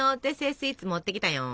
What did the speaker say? スイーツ持ってきたよん！